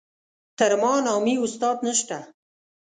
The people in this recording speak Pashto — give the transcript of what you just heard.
تر ما نامي استاد نشته.